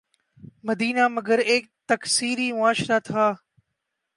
مدینہ مگر ایک تکثیری معاشرہ تھا۔